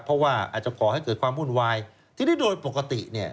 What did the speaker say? เพราะว่าอาจจะก่อให้เกิดความวุ่นวายทีนี้โดยปกติเนี่ย